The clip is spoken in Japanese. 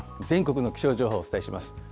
全国の気象情報、お伝えします。